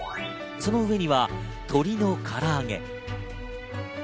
その上には、とりのから揚げ。